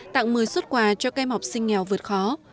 tặng một mươi suất quà cho kem học sinh nghèo vượt khó